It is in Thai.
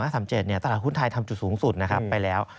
ตลาดหุ้นไทยทำจุดสูงสุดไปแล้ว